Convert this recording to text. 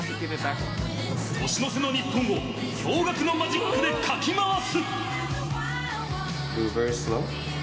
年の瀬の日本を驚がくのマジックでかき回す。